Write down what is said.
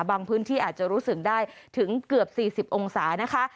พื้นที่อาจจะรู้สึกได้ถึงเกือบ๔๐องศานะคะ